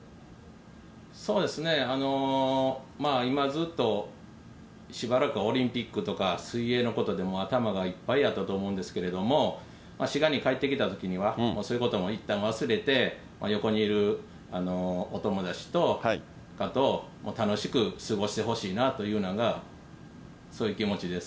そうですね、今ずっと、しばらくはオリンピックとか水泳のことでもう頭がいっぱいやったと思うんですけど、滋賀に帰ってきたときには、もうそういうこともいったん忘れて、横にいるお友達とかと、楽しく過ごしてほしいなというのが、そういう気持ちです。